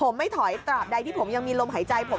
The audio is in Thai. ครับ